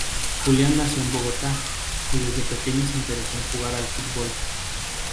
Julián nació en Bogotá, y desde pequeño se interesó en jugar al fútbol.